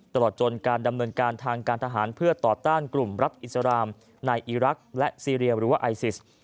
ตลอดจนการดำเนินการทางการทหารเพื่อต่อต้านกลุ่มรัฐอิสรามในอีรักษ์และซีเรียหรือว่าไอซิส